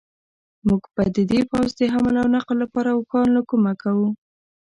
موږ به د دې پوځ د حمل و نقل لپاره اوښان له کومه کوو.